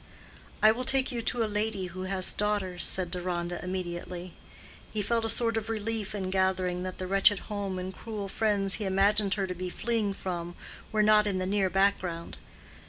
"I will take you to a lady who has daughters," said Deronda, immediately. He felt a sort of relief in gathering that the wretched home and cruel friends he imagined her to be fleeing from were not in the near background.